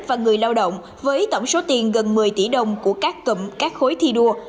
và người lao động với tổng số tiền gần một mươi tỷ đồng của các cụm các khối thi đua